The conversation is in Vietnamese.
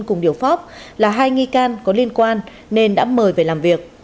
cùng điều pháp là hai nghi can có liên quan nên đã mời về làm việc